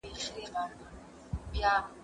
زه کولای سم ليک ولولم؟